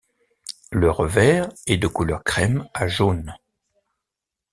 Le revers est de couleur crème à jaune.